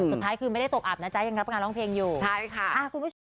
สุดท้ายคือไม่ได้ตกอับนะจ๊ะยังรับงานร้องเพลงอยู่ใช่ค่ะอ่าคุณผู้ชม